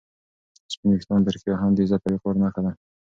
سپین ویښتان په رښتیا هم د عزت او وقار نښه ده.